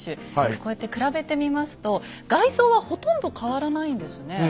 こうやって比べてみますと外装はほとんど変わらないんですね。